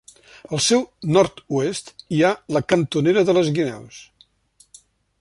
Al seu nord-oest hi ha la Cantonera de les Guineus.